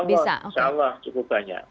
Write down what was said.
insya allah insya allah cukup banyak